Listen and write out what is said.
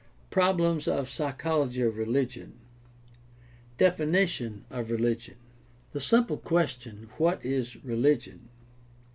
PROBLEMS OF PSYCHOLOGY OF RELIGION Definition of religion.— The simple question, What is religion